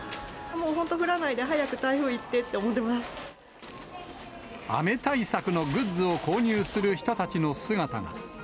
もう本当降らないで、雨対策のグッズを購入する人たちの姿が。